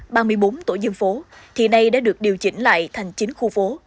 trong bốn tổ dân phố thì nay đã được điều chỉnh lại thành chính khu phố